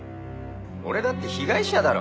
俺だって被害者だろ。